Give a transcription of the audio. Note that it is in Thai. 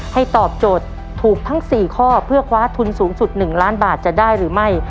ตอบโจทย์ถูกทั้ง๔ข้อเพื่อคว้าทุนสูงสุด๑ล้านบาทจะได้หรือไม่